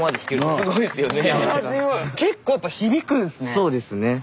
そうですね。